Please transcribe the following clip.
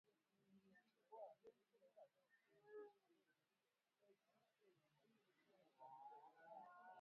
Hii ilikua idhaa ya kwanza ya lugha ya Kiafrika kuanzisha